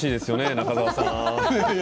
中澤さん